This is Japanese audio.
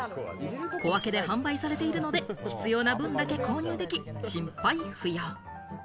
小分けで販売されているので、必要な分だけ購入でき、心配不要。